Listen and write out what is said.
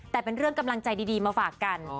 แต่เป็นเรื่องกำลังใจดีมาฝากกัน